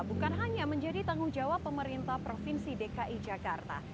bukan hanya menjadi tanggung jawab pemerintah provinsi dki jakarta